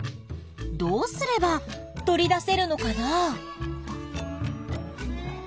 どうすれば取り出せるのかな？